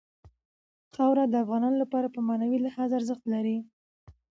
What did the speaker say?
خاوره د افغانانو لپاره په معنوي لحاظ ارزښت لري.